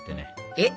えっ？